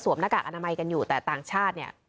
หน้ากากอนามัยกันอยู่แต่ต่างชาติเนี่ย